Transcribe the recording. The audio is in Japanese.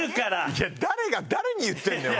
いや誰が誰に言ってんのよ？